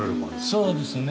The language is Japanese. そうですね。